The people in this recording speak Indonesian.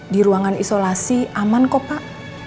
di ruangan isolasi aman kok pak